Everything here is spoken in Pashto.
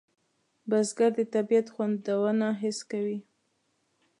بزګر د طبیعت خوندونه حس کوي